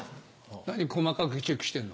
何細かくチェックしてるの？